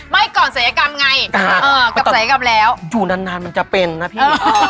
ก่อนศัยกรรมไงกับศัยกรรมแล้วอยู่นานมันจะเป็นนะพี่